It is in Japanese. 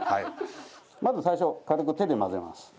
まず最初軽く手で混ぜます。